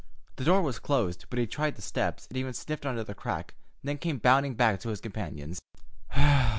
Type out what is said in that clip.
The door was closed, but he tried the steps, and even sniffed under the crack, and then came bounding back to his companions.